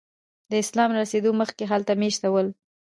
د اسلام له رسېدو مخکې هلته میشته ول.